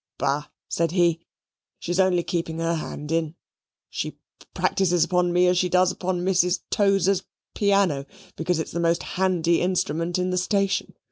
"Bah!" said he, "she is only keeping her hand in she practises upon me as she does upon Mrs. Tozer's piano, because it's the most handy instrument in the station.